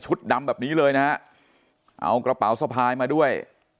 ดำแบบนี้เลยนะฮะเอากระเป๋าสะพายมาด้วย